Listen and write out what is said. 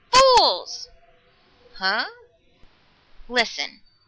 Fools!" "Huh?" "Listen!